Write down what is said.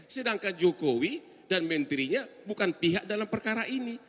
sedangkan jokowi dan menterinya bukan pihak dalam perkara ini